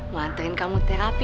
mau anterin kamu terapi